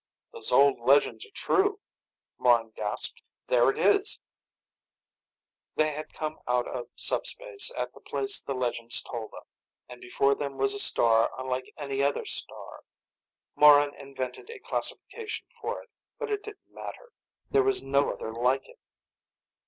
"Those old legends are true," Morran gasped. "There it is." They had come out of sub space at the place the legends told of, and before them was a star unlike any other star. Morran invented a classification for it, but it didn't matter. There was no other like it.